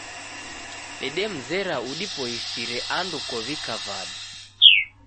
Dedemzera udipoisire ando kow'ika vadu